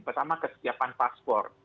pertama kesiapan paspor